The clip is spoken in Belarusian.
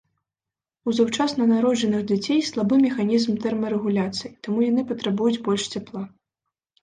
У заўчасна народжаных дзяцей слабы механізм тэрмарэгуляцыі, таму яны патрабуюць больш цяпла.